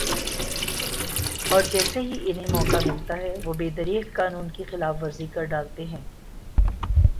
اور جیسے ہی انھیں موقع ملتا ہے وہ بے دریغ قانون کی خلاف ورزی کر ڈالتے ہیں